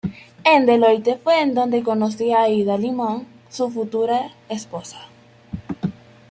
En Deloitte fue en donde conoció a Aida Limón, su futura esposa.